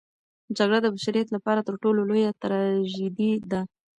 جګړه د بشریت لپاره تر ټولو لویه تراژیدي ده.